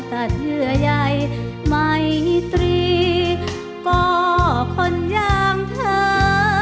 แต่เธอยัยไม่ตรีก็คนอย่างเธอหรือจะมาประณี